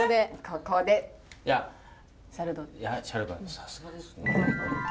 さすがですね。